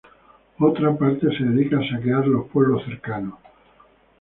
Otra parte se dedica a saquear los pueblos cercanos.